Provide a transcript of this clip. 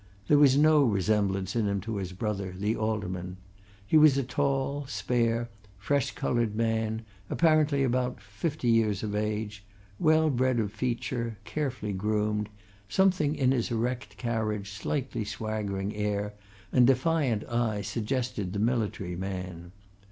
There was no resemblance in him to his brother, the Alderman. He was a tall, spare, fresh coloured man, apparently about fifty years of age, well bred of feature, carefully groomed; something in his erect carriage, slightly swaggering air and defiant eye suggested the military man.